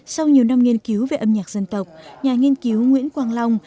sau nhiều năm nghiên cứu về âm nhạc dân tộc nhà nghiên cứu nguyễn quang long